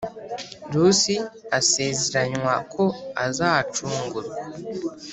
Rusi asezeranywa ko azacungurwa